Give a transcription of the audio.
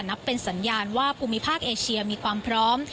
นับเป็นสัญญาณว่าภูมิภาคเอเชียมีความพร้อม